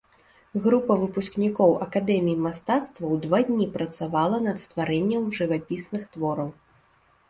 Група выпускнікоў акадэміі мастацтваў два дні працавала над стварэннем жывапісных твораў.